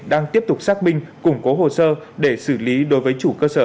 đang tiếp tục xác minh củng cố hồ sơ để xử lý đối với chủ cơ sở